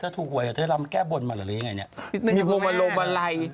ตื่นเต้นนะ